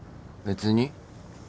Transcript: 別に。